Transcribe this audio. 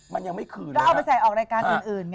มันยังไม่คืนก็เอาไปใส่ออกรายการอื่นไหม